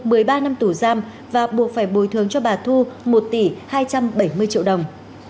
một mươi ba năm tù giam và buộc phải bồi thường cho bà thu một tỷ hai trăm bảy mươi triệu đồng